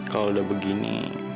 kalau udah begini